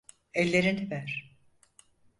Ellerini ver.